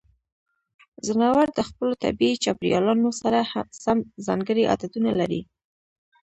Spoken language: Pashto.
ځناور د خپلو طبیعي چاپیریالونو سره سم ځانګړې عادتونه لري.